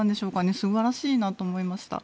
素晴らしいなと思いました。